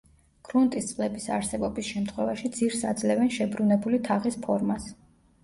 გრუნტის წყლების არსებობის შემთხვევაში, ძირს აძლევენ შებრუნებული თაღის ფორმას.